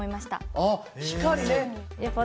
あっ光ね。